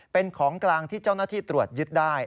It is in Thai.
เป็นของกลางที่เจ้าหน้าที่ตรวจยึดได้